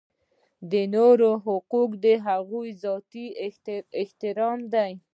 د نورو حقوق د هغوی ذاتي احترام دی.